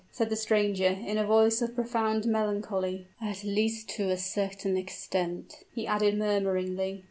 said the stranger, in a voice of profound melancholy; "at least, to a certain extent," he added, murmuringly.